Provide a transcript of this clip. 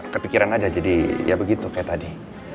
kepikiran aja jadi ya begitu kayak tadi